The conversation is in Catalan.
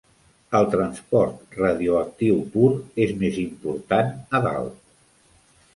El transport radioactiu pur és més important a dalt.